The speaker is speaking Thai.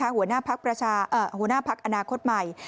หัวหน้าพักอนาคตใหม่